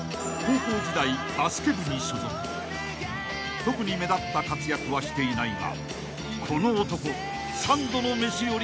［特に目立った活躍はしていないがこの男］